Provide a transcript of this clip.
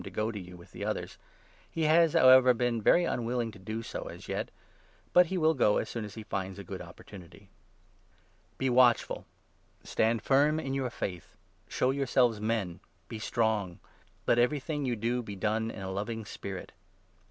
^^ t£) g.Q to yOU ^{.jj the others. He has, how ever, been very unwilling to do so as yet ; but he will go as soon as he finds a good opportunity. Be watchful ; stand firm in your faith ; show 13 Exhortation*. yOurseives men ; be strong. Let everything you 14 do be done in a loving spirit.